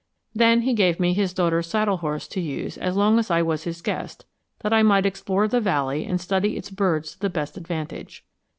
Then he gave me his daughter's saddle horse to use as long as I was his guest, that I might explore the valley and study its birds to the best advantage.